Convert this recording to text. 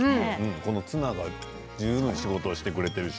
このツナが十分仕事をしてくれているし。